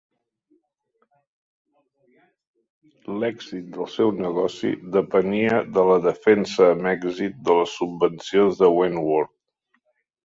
L'èxit del seu negoci depenia de la defensa amb èxit de les subvencions de Wentworth.